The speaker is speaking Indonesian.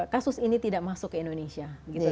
kasus ini tidak masuk ke indonesia